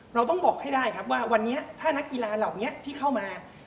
เราต้องบอกให้ได้ครับว่าวันนี้ถ้านักกีฬาเหล่านี้ที่เข้ามา